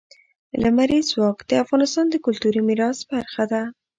لمریز ځواک د افغانستان د کلتوري میراث برخه ده.